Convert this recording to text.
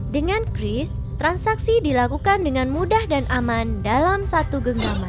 dengan kris transaksi dilakukan dengan mudah dan aman dalam satu genggaman